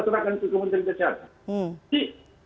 mengatakan ke kementerian kesehatan